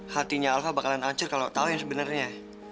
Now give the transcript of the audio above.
hatinya alva bakalan ancur kalau tau yang sebenarnya